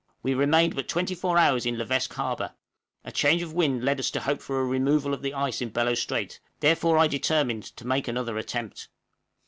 We remained but twenty four hours in Levesque Harbor; a change of wind led us to hope for a removal of the ice in Bellot Strait, therefore I determined to make another attempt.